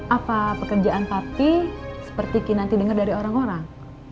apa pekerjaan pati seperti ki nanti dengar dari orang orang